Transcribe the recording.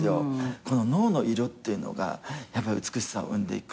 この脳の色っていうのがやっぱ美しさを生んでいく。